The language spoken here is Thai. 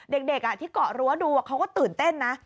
เด็กที่เกาะรั้วดูเขาก็ตื่นเต้นนะ